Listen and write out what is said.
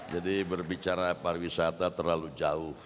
berbicara pariwisata terlalu jauh